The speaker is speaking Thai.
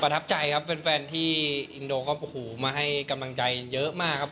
ประทับใจครับเป็นแฟนที่อินโดมาให้กำลังใจเยอะมากครับ